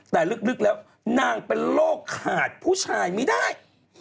แต่ลึกแล้วนางเป็นโรคขาดผู้ชายไม่ได้